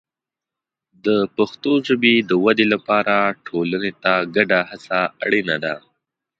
د پښتو ژبې د ودې لپاره ټولنې ته ګډه هڅه اړینه ده.